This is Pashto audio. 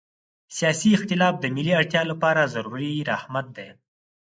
سیاسي اختلاف د ملي اړتیا لپاره ضروري رحمت ده.